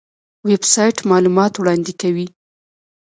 ویب سایټ معلومات وړاندې کوي